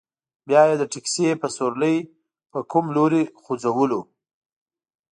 بیا یې د تکسي په سورلۍ په کوم لوري ځوځولو.